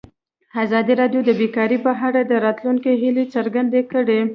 ازادي راډیو د بیکاري په اړه د راتلونکي هیلې څرګندې کړې.